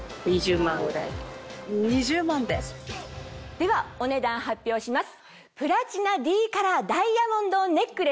ではお値段発表します。